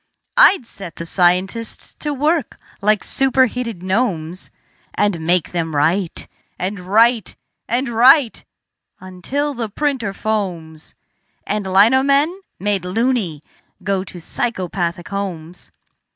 I'd set the scientists to work like superheated gnomes, And make them write and write and write until the printer foams And lino men, made "loony", go to psychopathic homes.